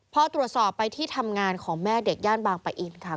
พอตรวจสอบไปที่ทำงานของแม่เด็กย่านบางปะอินค่ะ